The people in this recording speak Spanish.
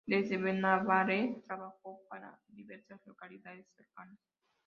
Desde Benabarre trabajó para diversas localidades cercanas.